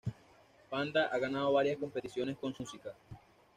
Panda ha ganado varias competiciones con su música.